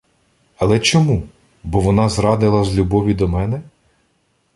Але чому? Бо вона зрадила з любові до мене?